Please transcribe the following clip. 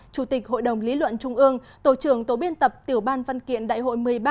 chủ tịch hội đồng lý luận trung ương tổ trưởng tổ biên tập tiểu ban văn kiện đại hội một mươi ba